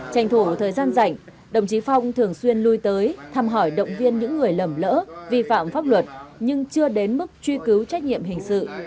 tranh thủ thời gian rảnh đồng chí phong thường xuyên lui tới thăm hỏi động viên những người lầm lỡ vi phạm pháp luật nhưng chưa đến mức truy cứu trách nhiệm hình sự